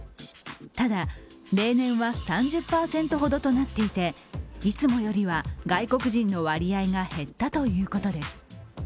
ただ、例年は３０％ほどとなっていていつもよりは外国人の割合が減ったということです。